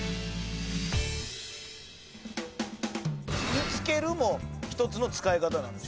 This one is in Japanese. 見つけるも一つの使い方なんでしょ？